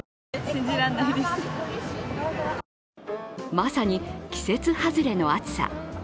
まさに季節外れの暑さ。